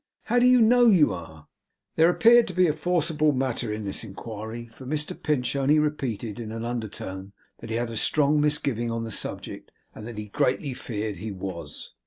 'How do you know you are?' There appeared to be forcible matter in this inquiry, for Mr Pinch only repeated in an undertone that he had a strong misgiving on the subject, and that he greatly feared he was.